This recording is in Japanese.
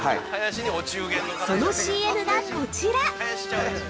◆そのＣＭがこちら。